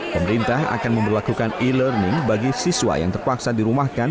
pemerintah akan memperlakukan e learning bagi siswa yang terpaksa dirumahkan